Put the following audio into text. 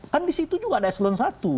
kan di situ juga ada eselon i